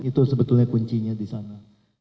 itu sebetulnya kuncinya di sana